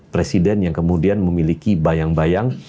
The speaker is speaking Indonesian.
presiden yang kemudian memiliki bayang bayang